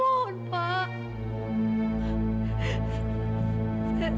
jangan mohon pak sekarang ini kepolisian saya mohon pak